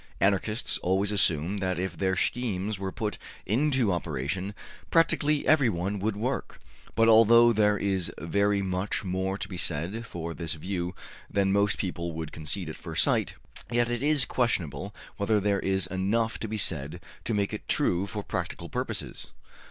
Anarchists always assume that if their schemes were put into operation practically everyone would work; but although there is very much more to be said for this view than most people would concede at first sight, yet it is questionable whether there is enough to be said to make it true for practical purposes.